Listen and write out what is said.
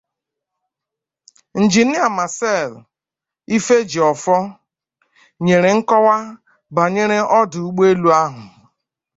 Injinia Marcel Ifejiofor nyere nkọwa banyere ọdụ ụgbọelu ahụ